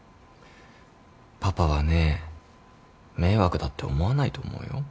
パパはね迷惑だって思わないと思うよ。